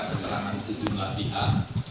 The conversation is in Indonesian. keterangan sejumlah pihak